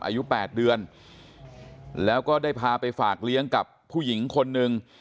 อายุ๘เดือนแล้วก็ได้พาไปฝากเลี้ยงกับผู้หญิงคนหนึ่ง